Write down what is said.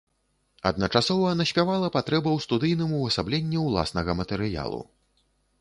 Адначасова наспявала патрэба ў студыйным увасабленні ўласнага матэрыялу.